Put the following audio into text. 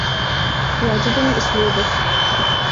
يعجبني أسلوبك.